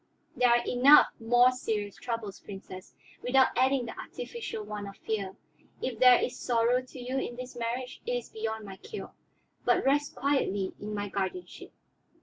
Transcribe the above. There are enough more serious troubles, Princess, without adding the artificial one of fear. If there is sorrow to you in this marriage, it is beyond my cure; but rest quietly in my guardianship."